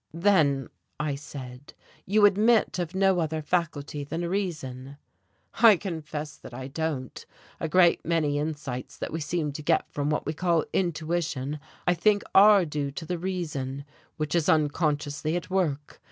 "Then," I said, "you admit of no other faculty than reason?" "I confess that I don't. A great many insights that we seem to get from what we call intuition I think are due to the reason, which is unconsciously at work.